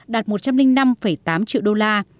đạt một trăm linh năm tám triệu đô la